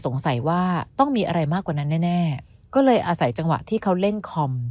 สงสัยว่าต้องมีอะไรมากกว่านั้นแน่ก็เลยอาศัยจังหวะที่เขาเล่นคอม